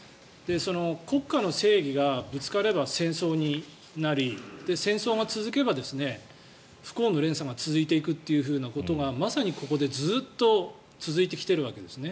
国家の正義がぶつかれば戦争になり戦争が続けば不幸の連鎖が続いていくということがまさにここでずっと続いてきているわけですね。